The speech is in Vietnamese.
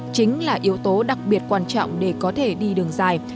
chính là yếu tố đặc biệt quan trọng để có thể đi đường dài